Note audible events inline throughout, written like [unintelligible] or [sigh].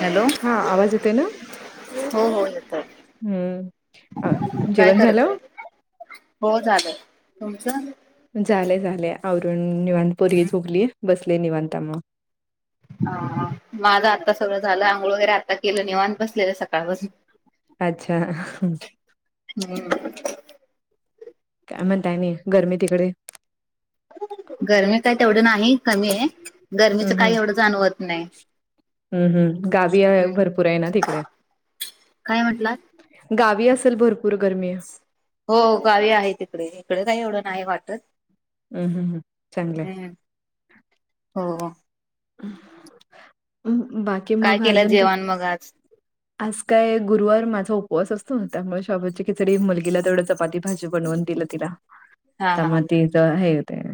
Hello हा, आवाज येतोय ना? हो हो येतोय हं अ काय जेवण करतय झालं? हो झालं. तुमचं? झालंय -झालंय आवरुन निवांत पोरगी झोपलीये, बसले निवांत त्यामुळं. हा, हां. माझं आत्ता सगळं झालं, आंघोळ वगैरे आता केलं निवांत बसलेलं सकाळपासून. अच्छा ह हुं... काय म्हणताय आणि गरमी तिकडे? गरमी काय तेवढी नाही, कमी आहे. हम् गर्मीचं काही हम् एवढं जाणवत नाही. हम्म हम् गावी आहे- हूं... भरपूर आहे ना तिकडे काय म्हटलात? गावी असेल भरपूर गरमी हो गावी आहे तिकडे इकडे काही एवढं नाही वाटत. हम्म हम्म हम्म चांगल आहे. हम्म हो. बाकी काय मग केलं अजून काय? जेवण मग आज आज काय गुरुवार माझा उपवास असतो त्यामुळे शाबुची खिचडी मुलगीला तेवढं चप पाती भाजी बनवून दिलं तिला हा आता हा मग तिच हे होतंय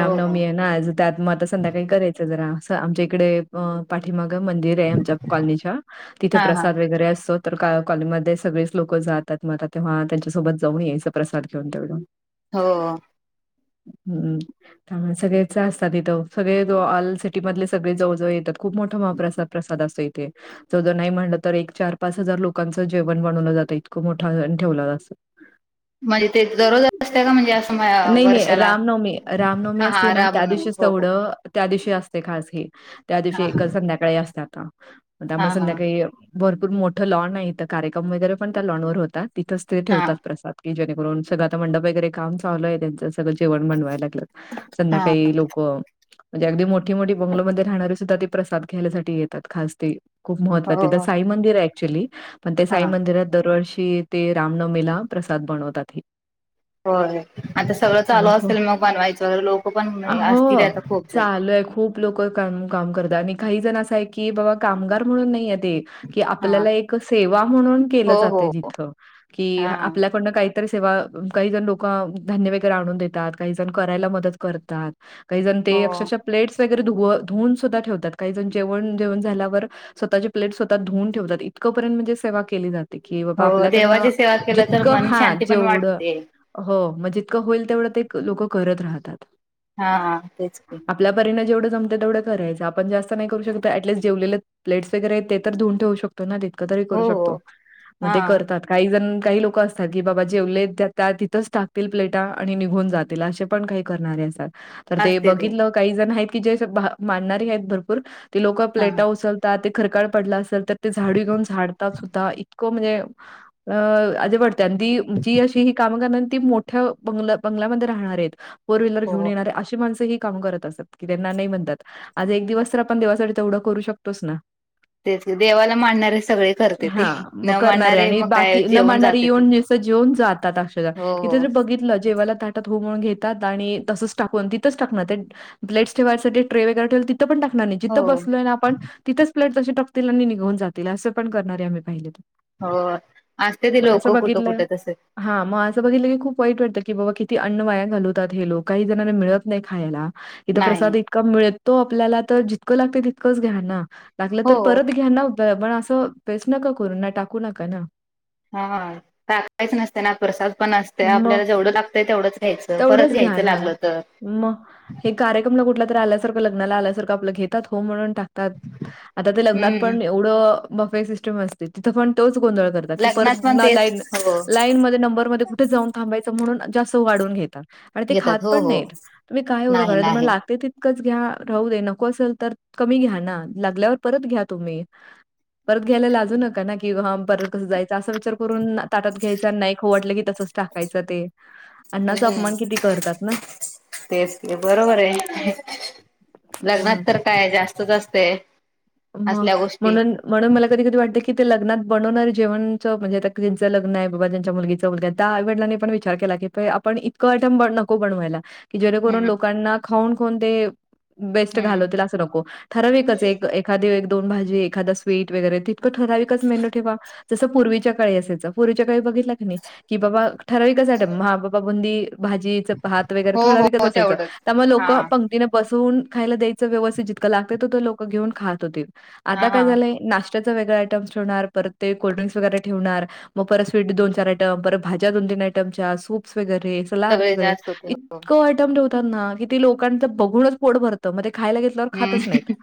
हो हो आहे ना आज त्यात मग आता संध्याकाळी करायचं जरा अस आमच्या इकडे अ पाठीमागं मंदिर आहे आमच्या कॉलनीच्या तिथे हा हा प्रसाद वगैरे असतो तर का कॉलनीमध्ये सगळेच लोकं जातात मग आता तेव्हा त्यांच्यासोबत जाऊन यायचं प्रसाद घेऊन तेवढं. हो. हम्म त्यामुळे सगळेच असतात तिथं. सगळे ऑल सिटी मधले सगळे जवळजवळ येतात खूप मोठा महाप्रसाद प्रसाद असतो इथे. जवळ जवळ नाही म्हणल तर एक चार पाच हजार लोकांच जेवण बनवलं जातं इतक मोठा ठेवला जा अस. [inaudible] म्हणजे ते दररोज असते का म्हणजे अस का नाही, नाही. वर्षाला रामनवमी रामनवमी हां असते हां ना, राम त्या नवमी दिवशीच हो हो. तेवढं त्या दिवशी असते खास हे त्या दिवशी हा एका हा संध्याकाळी असते [unintelligible] त्यामुळे हा हा संध्याकाळी भरपूर मोठं लॉन आहे इथ कार्यक्रम वगैरे पण त्या लॉन वर होता तिथंच ते हा ठेवतात प्रसाद की जेणेकरून सगळ आता मंडप वगैरे काम चालू आहे त्यांचच सगळ जेवण बनवाय लागल्यात हा संध्याकाळी लोकं म्हणजे अगदी मोठी मोठी बंगलो मध्ये राहणारी सुद्धा ते प्रसाद घ्यायला साठी येतात खास ते. खूप महत्त्व आहे तिथं हो साई मंदिर आहे ऍक्च्युली पण ते हा साई मंदिरात दरवर्षी ते रामनवमीला प्रसाद बनवतात हे. होय आता सगळं चालू त्यामुळे खूप असेल मग बनवायचं लोक पण असतील आता खूप जण! लई आहे खूप लोक काम काम करतात आणि काही जण असं आहे की बाबा कामगार म्हणून नाही आहेत हे की हा आपल्याला एक सेवा म्हणून केल हो हो जाते जिथं की हा आपल्यात आपण काहीतरी सेवा काही जण लोक धान्य वगैरे आणून देतात काही जण करायला मदत करतात. काही जण हो ते अक्षरशः प्लेट्स वगैरे धुवून धुवून सुद्धा ठेवतात काही जण जेवण जेवण झाल्यावर स्वतःचे प्लेट स्वतः धुवून ठेवात इतकंपर्यंत म्हणजे सेवा केली जा ते की बाबा हो आपल्याकडन देवाची सेवा केलं तर जितक मन हां शांती पण जेवढ वाटते हो मग जितकं होईल तेवढ ते लोकं करत राहतात. हां हां तेच की. आपल्या परीने जेवढं जमतंय तेवढं करायचं आपण जास्त नाही करू शकत ॲट लिस्ट जेवलेलं प्लेट्स वगैरे आहेत ते तर धुवून ठेऊ शकतो ना तितक तरी हो करू हो शकतो, मग हा ते करतात. काही जण काही लोकं असतात की बाबा जेवलेत ते आता तिथंच टाकतील प्लेटा आणि निघून जात तील असे पण काही करणारे असतात. तर ते बघितलं काही जण आहेत की जे असं मानणारी आहेत भरपूर ती लोकं हा प्लेटा उचल ते खरकट पडलं असेल तर ते झाडू घेऊन झाडतात सुद्धा इतक म्हणजे अ अजीब वाट ते आणि ती जी अशी ही काम करणार ती मोठ्या बंग बंगल्यामध्ये राहणारी आहेत. फोर व्हीलर घेऊन हो येणाऱ्या अश शी माणसं ही कामं करत असतात की त्यांना नाही म्हणतात आज एक दिवस तर आपण देवासाठी तेवढं करू शकतोच ना! [inaudible] तेच देवाला मानणारे सगळे करत्याती हां. मग न करणारे मानणारे आणि मग काय जेऊन जातेती. तात अक्षदा तिथं जर बघितलं जेवायला ताट हो म्हणून घेतात आणि तसच टाकून तिच टाकणार, प्लेट्स ठेवायसाठी ट्रे वगैरे तीथं कुठ पण टाकणार नाही जिथ हो बसलो ना आपण तिथंच प्लेट तशीच टाकतील आणि निघवून जातील, अस पण करणार आम्ही पाहिले त‌. हो असत्यात ती लोक कुठ कुठ तस? हा मग अस बघितल की खूप वाईट वाटत की बाबा किती अन्न वाया घालवतात. हे लोक काही जणना मिळत मिळात नाही खायला इथ नाही प्रसाद इतका मिळतो, आपल्याला तर जितक लागत घ्या ना. लागल तर हो परत घ्या ना पण अस वेस्ट नका करून ना टाकू नका ना. हा हा. टाकायच नसत ना प्रसाद पण असते, आपल्याला मग जेवढ लागतंय तेवढंच घ्यायच परत तेवढंच घ्या घ्यायच ना लागल तर. मग हे कार्यक्रमला कुठला तरी आल्यासारखं लग्नाला आल्यासारख आपल घेतात हो म्हणून टाकतात. आता ह आता ते लग्नात हम्म पण एवढ बफे सिस्टम असते तीथ पण तोच गोंधळ करतात. करतात की परत लग्नात पण तेच लाइन हो लाइन मधे नंबरमधे जाऊन थांबायच म्हणून जास्त घेतात आणि ते खात घेतात हो पण हो नाहीत. तुम्ही का एवडं नाही कराय नाही तुम्हाला लागते तितकं कच घ्या राहू दे नको असेल तर कमी घ्या ना लागल्यावर परत घ्या तुम्ही. परत घ्यायला लाजू नका ना की परत कसं जायचं असा विचार करून ताटात घ्यायचा आणि नाही खाऊ वाटलं की तसंच टा यच ते अण्णाचा हम्म अपमान किती करतात ना.? तेच ते बरोबर आहे हं. लग्नात तर काय जास्त च असतय. म म्हणून म्हणून मला कधी कधी वातते की ते लग्नात बवणार जेवणच म्हणजे त्यांचं लग्न आहे बाबा ज त्यांच्या मुलगीचं - त्या आई वडलांनी पण विचार केला की आपण इतकं ॲटम नको बनवायला. की जेणेकरून हम्म लोकांना खाऊन खाऊन ते वेस्ट हम्म घालवतील, असं नको ठराविकच एक. एखादी एक दोन भाजी, एखादा स्वीट वगैरे तितकं ठराविकच मेन्यू ठेवा. जसं पूर्वीच्या काळी असायचं, पूर्वीच्या काळी बघितला क नाही की बाबा ठरावीक च ॲटम हा बाबा बुंदी- भाजीच भात वगैरे हो थोडा विकच हो असायचं तेवढंच त्यामुळे हा लोक पंक्तीन बसून खायला द्यायच व्यवस्थित जितकं लागत लोक घेऊन खात होतील आता काय हा झालंय नाश्ता च वेगळा आयटम्स ठेवणार परत ते कोल्ड्रिंक् वगैरे ठेवणार. मग परत स्वीट दोन, चार आयटम, परत भाज्या दोन तीन आयटमच्या सूप्स वगैरे. सगळे वरे जास्त होते हो इतक आयटम ठेवतात ना की ते लोकांच बघूनच पोट भरतं म खायला. खातच नाही. हम्म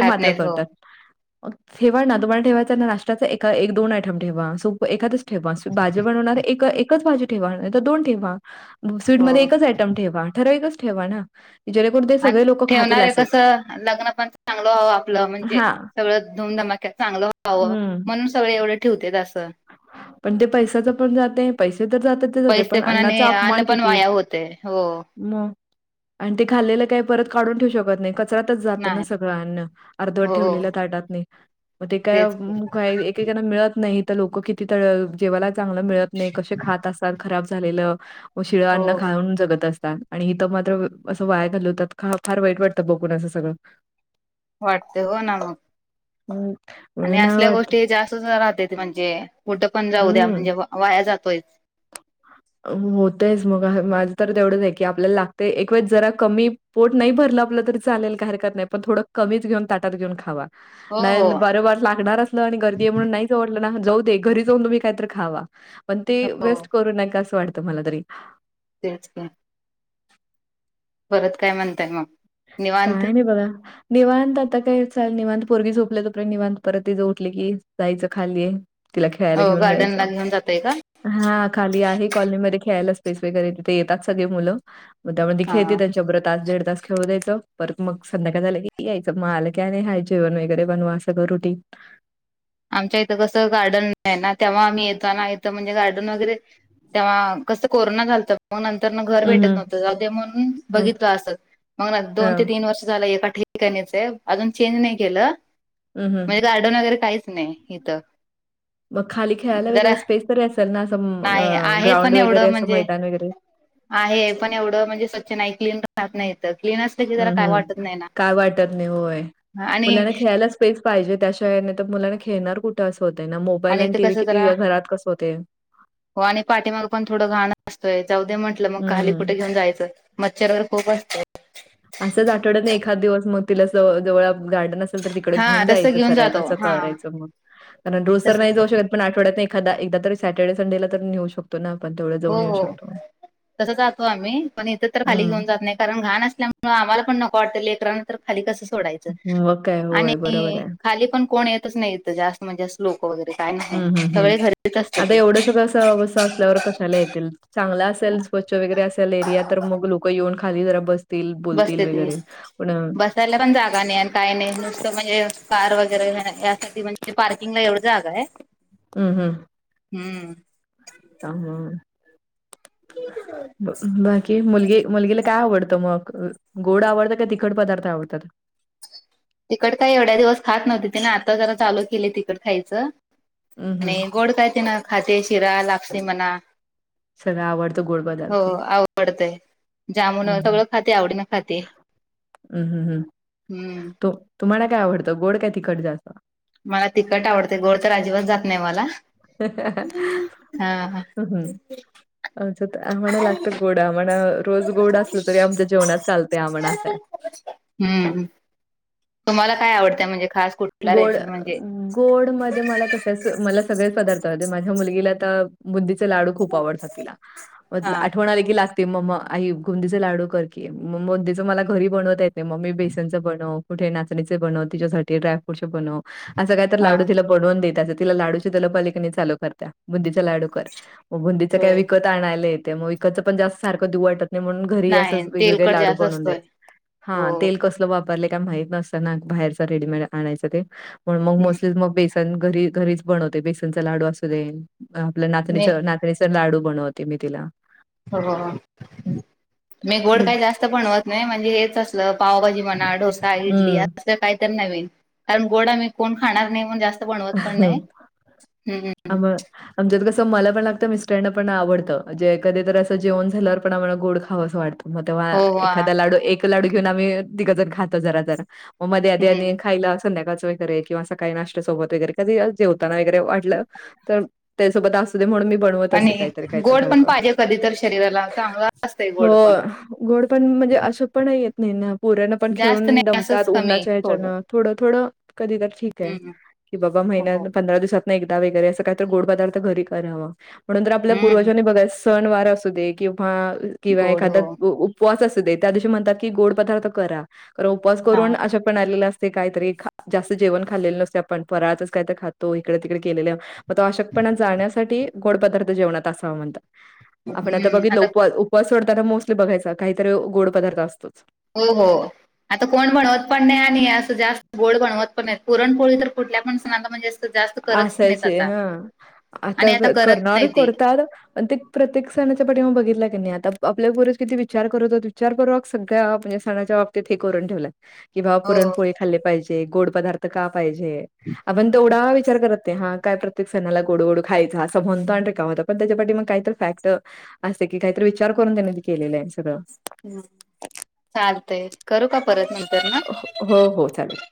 खात नाहीत हो ठेवा ना तुम्हाला ठेवायच नाश्त्याच्या एक दोन आयटम ठेवा सो एखाद ठेवा भाजी बनवणार एकच भाजी ठेवा नाहीतर दोन ठेवा नवे हो स्वीटमध्ये एकच आयटम ठेवा ठरावीकच ठेवा ना, जेणेकरून ते सगळे लोक खातील ठेवणार आहे असच. कसं लग्न पण चांगलं व्हावं आपलं म्हणजे हां. सगळं धूमधमाक्यात चांगलं व्हावं हं. म्हणून. सगळ एवढं ठेवते अस पण ते पैसाच पण जाते पैसे तर जात्यात ते जातत पैसे पण आणि अण्णाचा अन्न अपमान पण किती आहे. वाया होते हो मग आणि ते खाल्लेलं काय परत काढून ठेवू शकत नाही का कचळऱ्यात च जात ना नाही सगळ्यांना अर्धवर हो ठेवलेलं ताटात नाही. मग ते काय तेच की का एकेकाना मिळत नाही तर लोक किती त जेवायला चांगलं मिळत नाही कसे खात असाल खराब झालेलं. व शिळ‌ हो अन्न खाऊन जगत असतात. आणि इथ मात्र असं वाया घालवतात होत फार वाईट वाटतं बघून असं सगळं. वाटते हो ना मग. ह. आणि असल्या गोष्टी जास्त राहते म्हणजे कुठं पण जाऊ द्या हम्म म्हणजे वाया जातोय. होतयच मग माझं तर तेवढंच आहे की आपल्याला लागते एक वेळ जरा कमी पोट नाही भरलं आपलं तरी चालेल काही हरकत नाही पण थोडं कमीच घेऊन ताटात घेऊन खावा. हो हो नाही बरे वाट लागणारच गर्दी म्हणून नाही जाऊ वाटलं ना जाऊदे, घरी जाऊन तुम्ही काहीतरी खावा पण ते हो वेस्ट करू नका असं वाटतं मला तरी. तेच की. परत काय म्हणताय मग? निवांत काय नाही बगा. निवांत आता काय चाल निवांत पोरगी झोपल्या तोपर्यंत निवांत परत तीच उठले कि जायचं खाली तिला खेळायला हो घेऊन गार्डनला जायचं. घेऊन जातय का हा खाली आहे कॉलनीमध्ये खेळायला स्पेस वगैरे तिथे येतात सगळे मुलं म त्यामध्ये खेळते हा त्या च्याबर तास दीड तास खेळू द्यायचं परत मग संध्याकाळी झालं की यायचं, मग आलं की आणि हाय जेवण वगैरे बनवा असं रुटीन. आमच्या इथं कसं गार्डन नाही ना तेव्हा आम्ही येतो ना इथं म्हणजे गार्डन वगैरे तेव्हा कसं कोरोना झालतं मग नंतर घर हं, भेटत हं. नव्हतं जाऊ दे म्हणून हं, बघितलं असं. मग दोन ते हं, तीन वर्ष झालं एका ठि ठिकाणीच आहे अजून चेंज नाही केलं, हं, हं. म्हणजे गार्डन वगैरे काहीच नाही इथं. मग खाली खेळायला जरा वगैरे स्पेस तरी असेल ना नाही असं आहे ग्राउंड पण वगैरे एवढं असं म्हणजे मैदान वगैरे. आहे पण एवढं म्हणजे स्वच्छ नाही क्लीन राहत नाही. तर क्लीन की जरा हम्म काय वाटत हम्म नाही ना काय वाटत नाही होय, आणि मुलांना खेळायलाच स्पेस पाहिजे त्याशिवाय नाहीतर मुलांना खेळणार कुठं असं होतंय ना, मोबाईल आणि इथं टीव्ही कसं किती जरा घरात कसं होतय हो आणि पाठीमाग पण थोडं घाण असतंय, जाऊदे म्हटलं मग खाली हं. कुठे घेऊन जायचं. मच्छर वगैरे खूप असतंय. असंच आठवड्यातन एखादं दिवस मग तिला असं जवळ गार्डन असेल तर तिकडे हा घेऊन तसं जायच घेऊन सरळ जातो तसं हा करायचं मग, कारण रोज तर तसच नाही जाऊ शकतं पण आठवड्यातन एखादा एकदा तरी सॅटर्डे संडेला तर नेऊ शक तो ना आपण तेवढं. हो जाऊन येऊ हो शकतो. तसं जातो आम्ही, पण इथं तर खाली हं घेऊन जात नाही कारण घाण असल्यामुळे आम्हाला पण नको वाटतं लेकरान तर खाली कसं सोडायचं मग काय आणि होय बरोबर आहे. खाली पण कोण येतच नाही इथं जास्त म्हणजे लोक वगैरे काय नाही, हं, हं, हं. सगळे घरीच असते आता ते. एवढं सगळं असल्यावर कशाला येतील चांगल असेल स्व च्छ वगैरे असेल एरिया तर मग लोक येऊन खाली जरा बसतील बोलतील वगैरे पण यला पण जागा नाही काही नाही नुसतं म्हणजे कार वगैरे यासाठी म्हणजे पार्किंग ला एवूढ जागा आहे. हं, हम्म. हं बाकी मुलगी मुलगीला काय आवडतं मग? गोड आवडतं का तिखट पदार्थ आवडतात? तिखट काही एवढ्या दिवस खात नव्हती तिने आता जरा चालू केली तिखट खायचं, हं, हं. आणि गोड काय तेन खाते शिरा लापसी म्हणा. सगळा आवडतो गोड हो पदार्थ. आवडतयं जामुन सगळं खाते आवडीन खाते. हम्म हम् हम् हम्म. तो तुम्हाला काय आवडतं गोड काय तिखट जास्त? मला तिकट आवडतयं गोड तर अजिबात जात नाही मला. [inaudible] हा हा आमच्यात आहोंना लागत गोड आम्हाला. रोज गोड असलं तरी आमच्या जेवणात चालतंय आम्हाला असंय. हम्म, तुम्हाला काय आवडतंय म्हणजे खास कुठ गोड गोड मध्ये मला कसं मला सगळेच पदार्थ माझ्या मुलगीला आता, बुंदीचे लाडू खूप आवडतात तिला, हा आठवण आली की लाग ते मम्म आई गुंदीचे लाडू करकी मग बुंदीचे मला घरी बनवता येते मग मी बेसनचं बनव, कुठे नाचणीचे बनव तिच्यासाठी डायफ्रूटचे बनव असं काहीतर हा लाडू तिला करून देत असं तिला लाडुची तलप आली की नाही चालू करता बुंदीचे लाडू कर, मग बुंदीचे काय होय विकत आणायला येतय मग विकतच पण जास् सारखं दिऊ वाटत नाही म्हणून, घरी असंच नाही वेगवेगळं तेलकट लाडू जास्त बनवून असतोय द्यायचं, हा हो. तेल कसं वापरलं काय माहीत नसतं ना बाहेरच रेडीमेड आणायचं ते, पण मग नसेल मग बेसन पण घरी घरीच बनवतो बेसनचा लाडू असू दे आपल्या नाचणीच मी ना बेसन लाडू बनवते मी तिला. हो, हं, नाही गोड काय मग जास् त बनवत नाही म्हणजे हेच असलं पावभाजी म्हणा डोसा इडली आस ल काहीतरी नवीन, कारण गोड आम्ही कोण खाणार नाही मग जास्त. बनवत पण हं. नाही, हम्म आम आमच्यात कसं मला पण लागतं मिस्टरांना पण आवडतं जे कधी तर असं जेवण झाल्यावर पण आम्हाला गोड खावस वाटतं. मग तेव्हा हो हो एखादा लाडू एक लाडू घेऊन आम्ही तिघ जण खातो जरा जरा. मग मध्ये आधी हम्म आणि खायला संध्याकाळच वगैरे किंवा सकाळी नाष्ट्या सोबत. वगैरे कधी जेवताना वगैरे वाटलं तर त्यासोबत असू दे म्हणून मी बनवत असते आणि काहीतरी काहीतरी गोड पण सारखं. पाहिजे कधी तर शरीराला चांगलं असतंय हो गोड पण गोड पण म्हणजे असं पण येत नाही ना पोरांना पण जास्त खेळून नाही असंच दमतात कमी उन्हाच्या, थोडं मुळ थोड थोड कधी तर ठीक ये. हम्म बाबा महिन्यात हो पंधरा दिवसातन एकदा वगैरे असं काही तर गोड पदार्थ घरी करावं. म्हणून तर आपल्या हम्म पूर्वजांनी बघा सण वार असू दे किंवा गोड एखादा, हो उपवास असू दे त्यादिवशी म्हणतात की गोड पदार्थ करा, कारण उपवास हा करून आश क्तपणा आलेलं असते काहीतरी जास्त जेवण खाल्लेलं नसते आपण फराळाचच काय तर खातो इकडे तिकडे केलेलं. आता अशक्तपणा जाण्यासाठी गोड पदार्थ जेवणात असावा म्हणतात, आपण आता बघितल उपवास उप वास सोडताना मोस्टली बघायचा काहीतरी गोड पदार्थ असतोच. हो हो आता कोण बनवत पण नाही आणि असं जास्त गोड बनवत पण नाही पुरणपोळी तर कुठल्या पण सणाला म्हणजे असं, जास्त करतच नाहीत असायची आता हा, आता आणि करत करणारे नाही ते करतात पण ते प्रत्येक सणाच्या पाठीमागं बघितला की नाही आता आपल्या बरंच किती विचार करायचेत विचारपुर्वक सगळ्या म्हणजे सणाच्या, तिथे करून ठेवलाय. कि बा हो पुरणपोळी खाल्ली पाहिजे गोड पदार्थ का पाहिजे, आपण तेवढा विचा ते हा काय प्रत्येक सणाला गोड गोड खायचा असं म्हणतो आणि का होता पण त्याच्यासाठी मग काहीतर फॅक्ट, असे की काहीतरी विचार करून त्यांनी ते केलेलय सगळं. हं चालतय करू का परत नंतरन? हो हो चालेल.